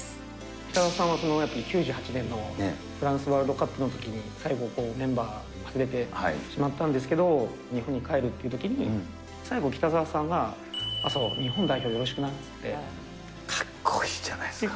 北澤さんは、９８年のフランスワールドカップのときに最後、メンバー外れてしまったんですけれども、日本に帰るっていうときに、最後、北澤さんが、麻生、日本代かっこいいじゃないですか。